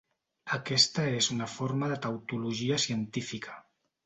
Aquesta és una forma de tautologia científica.